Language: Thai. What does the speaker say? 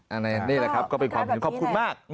อันนี้แหละครับก็เป็นความเห็นขอบคุณมาก